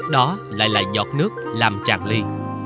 đó lại là giọt nước làm tràn ly